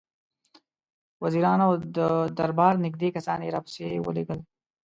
وزیران او د دربار نېږدې کسان یې راپسې را ولېږل.